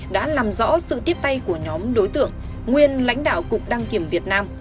đã làm rõ sự tiếp tay của nhóm đối tượng nguyên lãnh đạo cục đăng kiểm việt nam